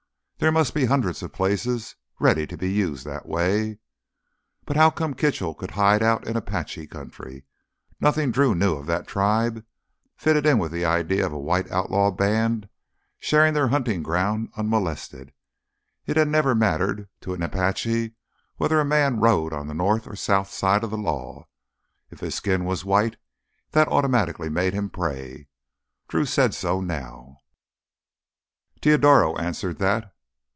There must be hundreds of places ready to be used that way. But how come Kitchell could hide out in Apache country? Nothing Drew knew of that tribe fitted in with the idea of a white outlaw band sharing their hunting ground unmolested. It had never mattered to an Apache whether a man rode on the north or south side of the law—if his skin was white, that automatically made him prey. Drew said so now. Teodoro answered that.